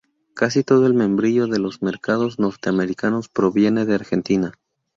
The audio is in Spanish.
Casi todo el membrillo de los mercados norteamericanos proviene de Argentina.